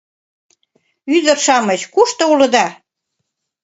«Ӱдыр-шамыч, кушто улыда?